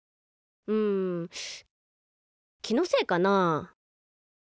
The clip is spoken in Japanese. うんきのせいかなあ。